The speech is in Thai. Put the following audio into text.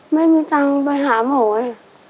ไม่มีเงินไปหาหมวน